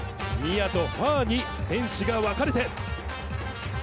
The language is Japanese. ニアとファーに選手が分かれて。